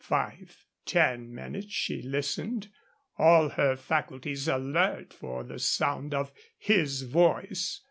Five, ten minutes she listened, all her faculties alert for the sound of his voice.